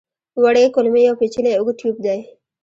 وړې کولمې یو پېچلی اوږد ټیوب دی.